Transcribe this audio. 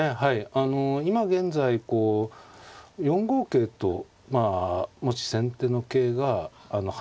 あの今現在こう４五桂とまあもし先手の桂が跳ねた。